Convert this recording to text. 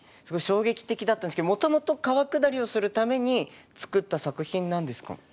すごい衝撃的だったんですけどもともと川下りをするために作った作品なんですか？